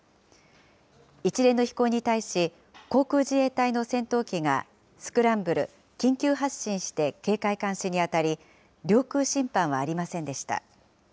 一連の飛行に対し、航空自衛隊の戦闘機がスクランブル・緊急発進して警戒監視に当たり、領空侵犯はありませんでした。